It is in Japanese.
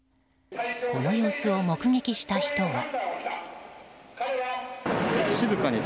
この様子を目撃した人は。